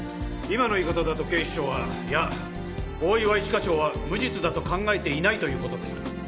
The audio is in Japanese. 今の言い方だと警視庁はいや大岩一課長は無実だと考えていないという事ですか？